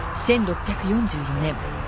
１６４４年。